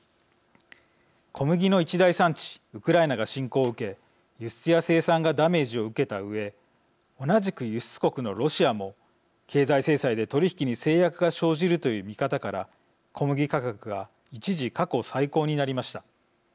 小麦の一大産地ウクライナが侵攻を受け輸出や生産がダメージを受けたうえ同じく輸出国のロシアも経済制裁で取り引きに制約が生じるという見方から小麦価格が一時過去最高になりました。